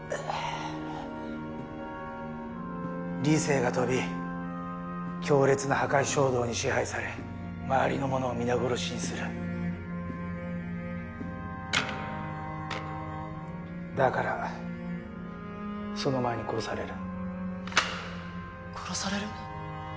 はぁ理性が飛び強烈な破壊衝動に支配され周りの者を皆殺しにするだからその前に殺される殺される？